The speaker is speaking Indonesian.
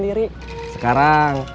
di mana dia ke